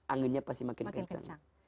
anginnya pasti makin kencang